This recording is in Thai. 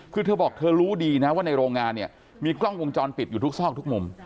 คือเธอบอกเธอรู้ดีนะว่าในโรงงานเนี่ยมีกล้องวงจรปิดอยู่ทุกซอกทุกมุม